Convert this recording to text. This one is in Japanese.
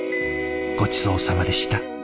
ごちそうさまでした。